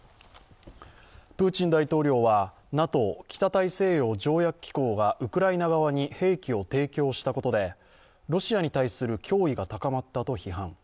プーチン大統領はＮＡＴＯ＝北大西洋条約機構がウクライナ側に兵器を提供したことで、ロシアに対する脅威が高まったと批判。